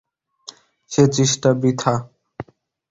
সে চেষ্টা বৃথা।